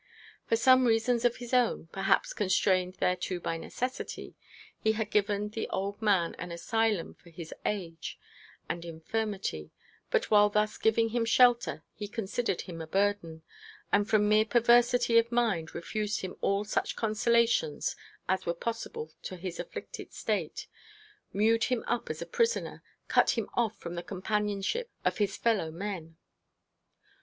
For some reasons of his own, perhaps constrained thereto by necessity, he had given the old man an asylum for his age and infirmity: but while thus giving him shelter he considered him a burden, and from mere perversity of mind refused him all such consolations as were possible to his afflicted state, mewed him up as a prisoner, cut him off from the companionship of his fellow men.